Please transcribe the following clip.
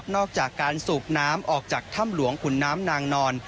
อกจากการสูบน้ำออกจากถ้ำหลวงขุนน้ำนางนอน